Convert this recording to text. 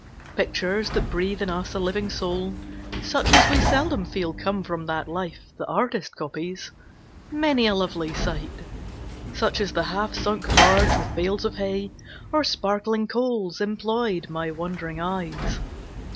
Pictures that breathe in us a living soul, Such as we seldom feel come from that life The artist copies. Many a lovely sight Such as the half sunk barge with bales of hay, Or sparkling coals employed my wondering eyes.